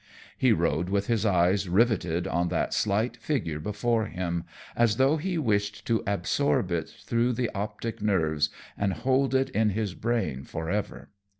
He rode with his eyes riveted on that slight figure before him, as though he wished to absorb it through the optic nerves and hold it in his brain forever.